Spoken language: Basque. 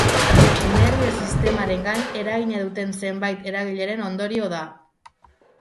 Nerbio sistemaren gain eragina duten zenbait eragileren ondorio da.